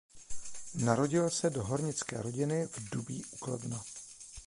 Narodil se do hornické rodiny v Dubí u Kladna.